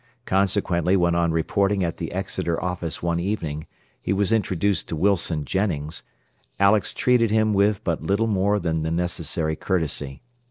Consequently when on reporting at the Exeter office one evening he was introduced to Wilson Jennings, Alex treated him with but little more than necessary courtesy.